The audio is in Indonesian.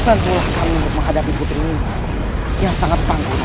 tantulah kami untuk menghadapi putrinya yang sangat bangga dan kuat